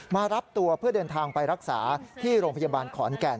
มารับตัวเพื่อเดินทางไปรักษาที่โรงพยาบาลขอนแก่น